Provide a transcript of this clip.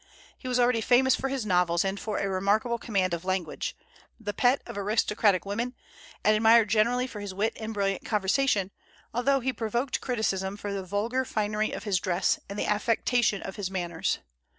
He was already famous for his novels, and for a remarkable command of language; the pet of aristocratic women, and admired generally for his wit and brilliant conversation, although he provoked criticism for the vulgar finery of his dress and the affectation of his manners.